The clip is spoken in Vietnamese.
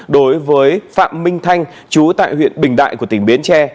đối với phạm minh thanh chú tại huyện bình đại của tỉnh bến tre